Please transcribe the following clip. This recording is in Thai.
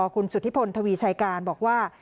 คุณสุธิพลทวีชัยการบอกว่า